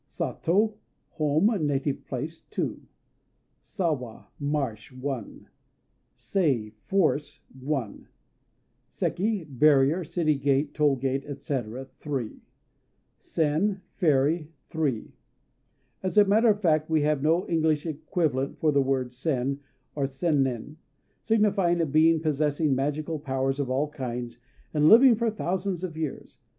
Sato ("Home," native place) 2 Sawa ("Marsh") 1 Sei ("Force") 1 Seki ("Barrier," city gate, toll gate, etc.). 3 Sen ("Fairy") 3 As a matter of fact, we have no English equivalent for the word "sen," or "sennin," signifying a being possessing magical powers of all kinds and living for thousands of years.